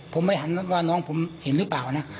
ผมไม่หันว่าน้องผมเห็นหรือเปล่านะ